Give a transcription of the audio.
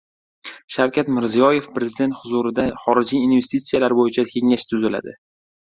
Shavkat Mirziyoyev: «Prezident huzurida Xorijiy investitsiyalar bo‘yicha kengash tuziladi»